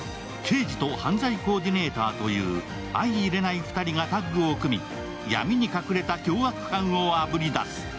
刑事と犯罪コーディネーターという相いれない２人がタッグを組み、闇に隠れた凶悪犯をあぶり出す。